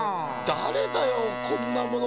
だれだよこんなもの